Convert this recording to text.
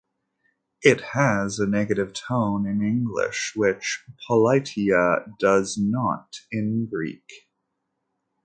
It has a negative tone in English, which "politeia" does not in Greek.